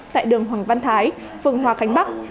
tại đường hoàng văn thái phương hoa khánh bắc